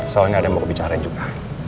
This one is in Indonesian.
soalnya ada yang mau bicara juga